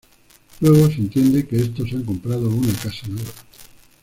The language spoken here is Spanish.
Luego, se entiende que estos han comprado una casa nueva.